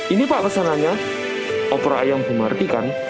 ini pak pesanannya opera yang bumarti kan